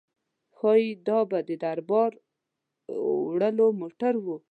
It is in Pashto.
ښايي دا به د بار وړلو موټر و.